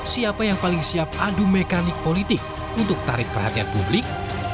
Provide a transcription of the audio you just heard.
siapa yang paling siap adu mekanik politik untuk tarik perhatian publik